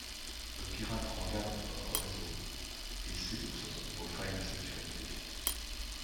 Le pirate regarde votre réseau et sait où se trouvent vos failles de sécurités.